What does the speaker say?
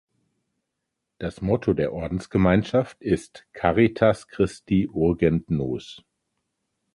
Das Motto der Ordensgemeinschaft ist "Caritas Christi Urgent Nos".